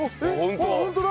あっホントだ！